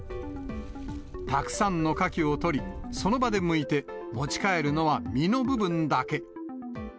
たくさんのカキを取り、その場でむいて、持ち帰るのは身の部分だけ。